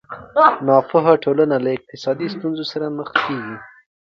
ناپوهه ټولنه له اقتصادي ستونزو سره مخ کېږي.